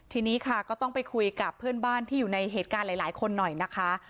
ทีนี้ค่ะก็ต้องไปคุยกับเพื่อนบ้านที่อยู่ในเหตุการณ์หลายคนหน่อยนะคะ